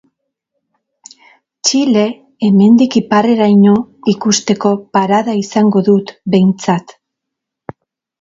Txile hemendik iparreraino ikusteko parada izango dut, behintzat.